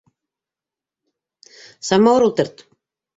Самауыр ултырт.